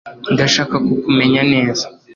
Ndashaka kukumenya neza. (lukaszpp)